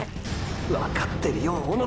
わかってるよ小野田！！